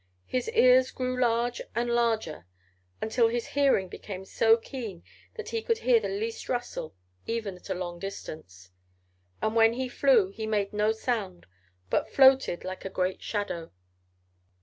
His ears grew large and larger until his hearing became so keen that he could hear the least rustle, even at a long distance. And when he flew he made no sound, but floated like a great shadow.